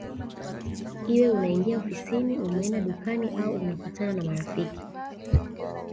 Iwe unaingia ofisini umeenda dukani au unakutana na marafiki